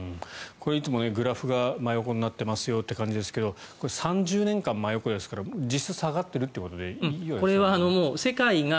いつもグラフが真横になっているという感じですが３０年間、真横ですから実質下がっているということでいいですかね。